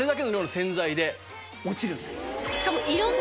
しかも。